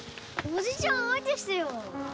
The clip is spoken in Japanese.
おじちゃん相手してよ！